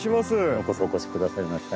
ようこそお越しくださいました。